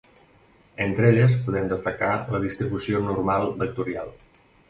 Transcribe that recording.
Entre elles podem destacar la distribució normal vectorial.